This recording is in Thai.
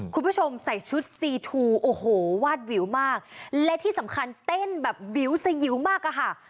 ใส่ชุดซีทูโอ้โหวาดวิวมากและที่สำคัญเต้นแบบวิวสยิวมากอะค่ะ